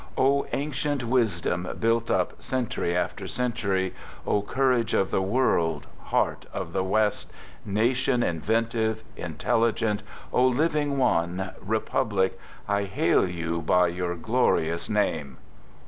I O ancient wisdom built up century after century; J O courage of the world, heart of the West, [ Nation inventive, intelligent, O Living One —( Republic, I hail you by your glorious name.